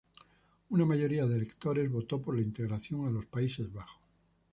Una mayoría de electores votó por la integración a los Países Bajos.